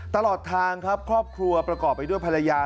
ตลอดทางครับครอบครัวประกอบไปด้วยภรรยา